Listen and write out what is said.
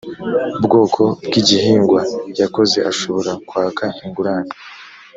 bwoko bw igihingwa yakoze ashobora kwaka ingurane